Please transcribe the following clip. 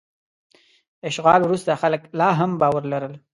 د اشغال وروسته خلک لا هم باور لرل.